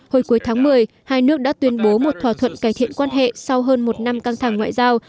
hồi cuối tháng một mươi hai nước đã tuyên bố một thỏa thuận cải thiện quan hệ sau hơn một năm căng thẳng ngoại giao